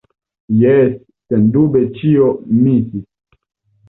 Jes, sendube ĉio misis.